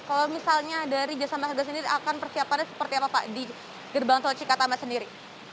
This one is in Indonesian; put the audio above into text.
kalau misalnya dari jasa marga sendiri akan persiapannya seperti apa pak di gerbang tol cikatama sendiri